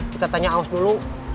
kita tanya aus dulu